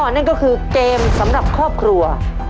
นั่นก็คือเกมสำหรับครอบครัว